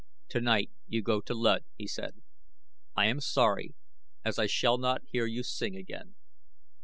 "Tonight you go to Luud," he said. "I am sorry as I shall not hear you sing again."